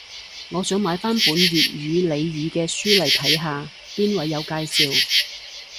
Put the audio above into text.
我想買返本粵語俚語嘅書嚟睇下，邊位有介紹